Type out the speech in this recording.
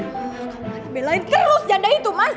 kamu malah belain terus janda itu mas